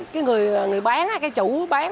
cái người bán cái chủ bán